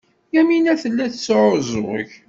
Yamina tella tesɛuẓẓug.